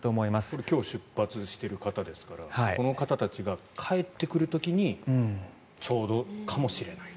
これ今日出発している方ですからこの方たちが帰ってくる時にちょうどかもしれないと。